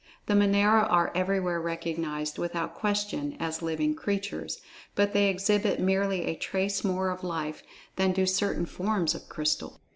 The Monera are everywhere recognized, without question, as "living creatures," but they exhibit merely a trace more of life than do certain forms of crystals.